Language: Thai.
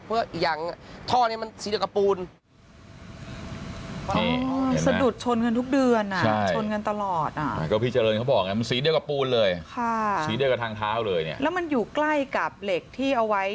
เพื่อยังทอเนี่ยมันสีเดียวกับปูนสะดุดชนกันทุกเดือนอ่ะใช่